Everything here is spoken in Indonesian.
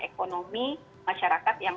ekonomi masyarakat yang